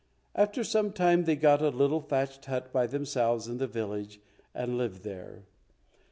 After some time they got a little thatched hut by themselves in the village and lived there.